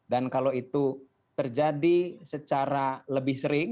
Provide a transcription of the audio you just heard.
dan kalau itu terjadi secara lebih sering